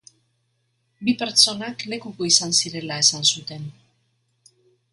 Bi pertsonak lekuko izan zirela esan zuten.